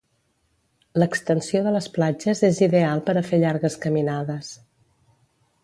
L'extensió de les platges és ideal per a fer llargues caminades.